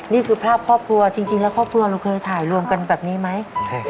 นี่คือภาพครอบครัวจริงแล้วครอบครัวเราเคยถ่ายรวมกันแบบนี้ไหม